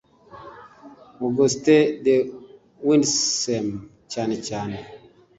Augustin de Windesheim cyane cyane